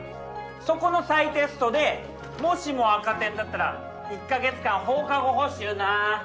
そこの再テストでもしも赤点だったら１か月間放課後補習な。